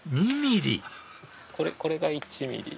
これが１ｍｍ。